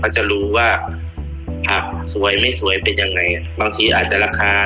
จะรู้ว่าผักสวยไม่สวยเป็นยังไงบางทีอาจจะราคา